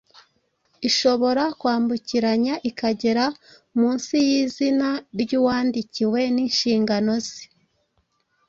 ishobora kwambukiranya ikagera munsi y’izina ry’uwandikiwe n’inshingano ze.